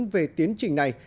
về tiến trình này